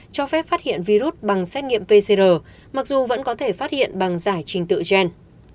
cho phép phát hiện virus bằng xét nghiệm pcr mặc dù vẫn có thể phát hiện bằng giải trình tự gen